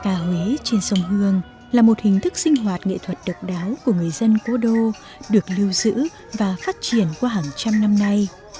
ca huế trên sông hương là một hình thức sinh hoạt nghệ thuật độc đáo của người dân cố đô được lưu giữ và phát triển qua hàng trăm năm nay